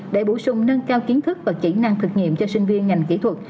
để bổ sung nâng cao kiến thức và kỹ năng thực nghiệm cho sinh viên ngành kỹ thuật